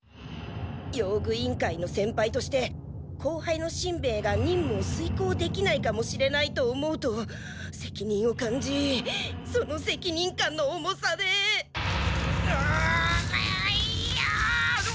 用具委員会の先輩として後輩のしんべヱが任務をすいこうできないかもしれないと思うと責任を感じその責任感の重さでううあっ！